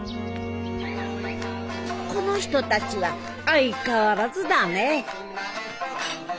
この人たちは相変わらずだねぇ。